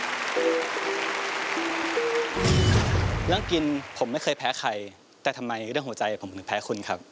เรื่องกินผมไม่เคยแพ้ใครแต่ทำไมเรื่องหัวใจผมถึงแพ้คุณครับ